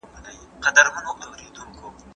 سازمانونه به مهم بحثونه پرمخ وړي.